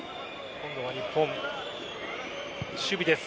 今度は日本守備です。